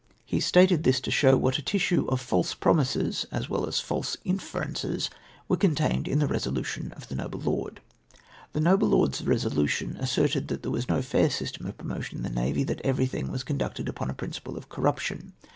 He stated this to show what a tissue of false promises, as well as false inferences, were contained in the resolution of the noble lord. " The noble lord's resolution asserted that there was no fair system of promotion in tlie navy ; that everything was con ducted upon a principle of corruption.